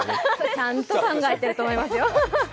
ちゃんと考えていますよ。